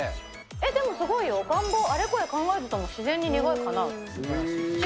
でもすごいよ、願望、あれこれ考えずとも自然に願いかなう。